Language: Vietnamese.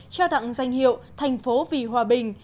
trao đặng danh hiệu thành phố vì hòa bình